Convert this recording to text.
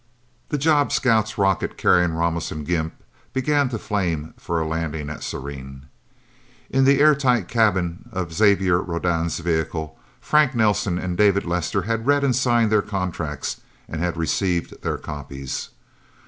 The job scout's rocket, carrying Ramos and Gimp, began to flame for a landing at Serene. In the airtight cabin of Xavier Rodan's vehicle, Frank Nelsen and David Lester had read and signed their contracts and had received their copies.